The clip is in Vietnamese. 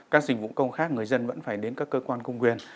các dịch vụ công khác người dân vẫn phải đến các cơ quan công quyền